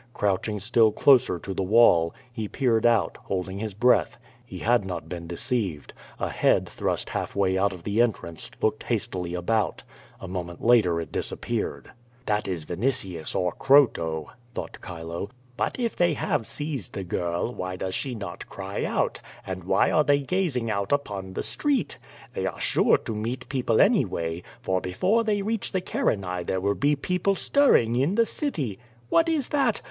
Crouch ing still closer to the wall, he peered out, holding his breath. He had not been deceived. A head thrust half way out of the entrance, looked hastily around. A moment later it disap neared. "That is Vinitius or Croto," thought Chilo, 'T)ut if they have seized the girl, why does she not cry out, and why are they gazing out upon the street? They are sure to meet people anywaj', for before they reach the Carinae there will be people stirring in the city. What is that!